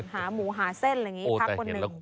หาหมูหาเส้นอะไรอย่างนี้พักคนหนึ่ง